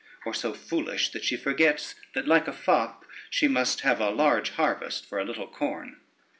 or so foolish that she forgets that like a fop she must have a large harvest for a little corn?"